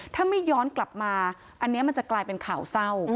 ถ้าไม่ย้อนกลับมาอันนี้มันจะกลายเป็นข่าวเศร้า